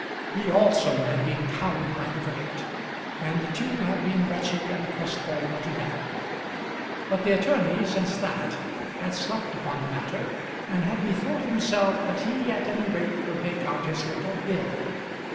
He also had been cowed by the verdict, and the two had been wretched and crestfallen together. But the attorney since that had slept upon the matter, and had bethought himself that he at any rate would make out his little bill.